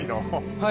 はい。